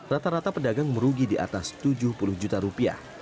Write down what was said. rata rata pedagang merugi di atas tujuh puluh juta rupiah